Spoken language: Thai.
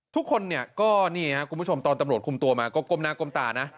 ทุกคนเนี่ยก็นี่ครับคุณผู้ชมตอนตำรวจคุมตัวมาก็ก้มหน้าก้มตานะ